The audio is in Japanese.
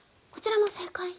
こちらも正解。